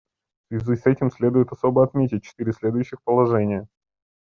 В связи с этим следует особо отметить четыре следующих положения.